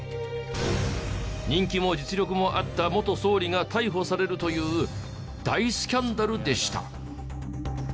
人気も実力もあった元総理が逮捕されるという大スキャンダルでした。